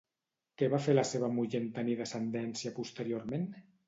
Què va fer la seva muller en tenir descendència posteriorment?